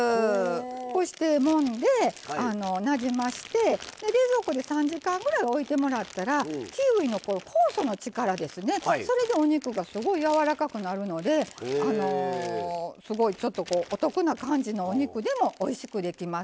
そして、もんでなじませて、冷蔵庫で３時間ぐらい置いてもらったらキウイの酵素の力でそれでお肉がすごく、やわらかくなるのですごい、お得な感じのお肉でもおいしくなります。